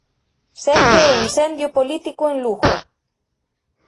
Segue o incendio político en Lugo.